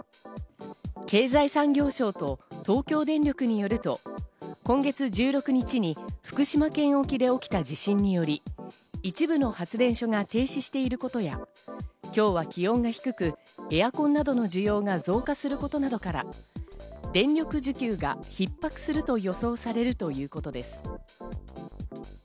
経済産業省と東京電力によると、今月１６日に福島県沖で起きた地震により一部の発電所が停止していることや、今日は気温が低く、エアコンなどの需要が増加することなどから、電力需給が逼迫すると予想されるということです。